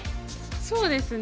そうですね。